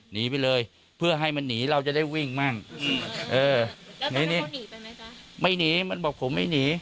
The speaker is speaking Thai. หนีไปเลยเพื่อให้มันหนีเราจะได้วิ่งมั่งเออไม่หนีมันบอกผมไม่หนี